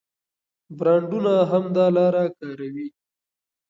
برانډونه هم دا لاره کاروي.